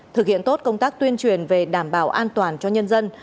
thực hiện tốt công tác tuyên truyền về đảm bảo an toàn cho nhân dân